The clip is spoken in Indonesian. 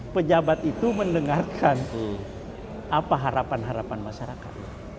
pejabat itu mendengarkan apa harapan harapan masyarakat